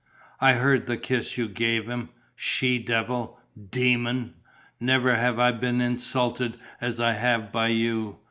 I heard the kiss you gave him! She devil! Demon! Never have I been insulted as I have by you.